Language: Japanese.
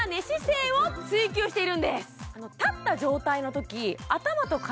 立った状態のとき頭と体